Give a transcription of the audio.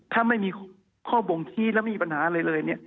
ถ้าไม่มีข้อบ่งชี้แล้วไม่มีปัญหาอะไรเลย